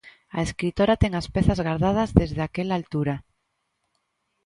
A escritora ten as pezas gardadas desde aquela altura.